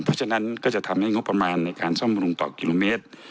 เพราะฉะนั้นก็จะทำให้งบประมาณในการซ่อมบำรุงต่อกิโลเมตร